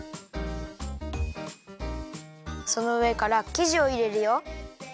そのうえからきじをいれるよ。